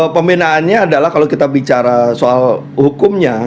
pembinaannya adalah kalau kita bicara soal hukumnya